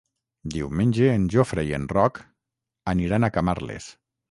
Diumenge en Jofre i en Roc aniran a Camarles.